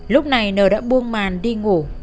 lúc này n đã buông màn đi ngủ